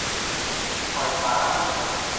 ปล่อยปละละเลย